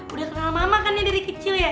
udah kenal mama kan dari kecil ya